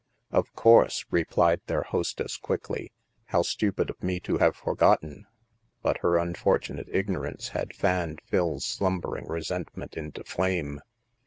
"Of course," replied their hostess quickly, " how stupid of me to have forgotten." But her unfor tunate ignorance had fanned Phil's slumbering re sentment into flame.